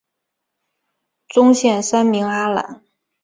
宗宪三名阿懒。